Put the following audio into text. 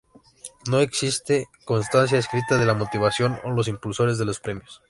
No existe constancia escrita de la motivación o los impulsores de los premios.